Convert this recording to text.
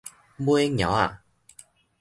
尾蟯仔